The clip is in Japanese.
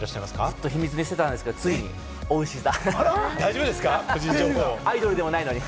ずっと秘密にしていたんですが、ついに、おうし座。